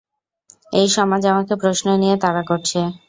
এই সমাজ আমাকে প্রশ্ন নিয়ে তাড়া করছে।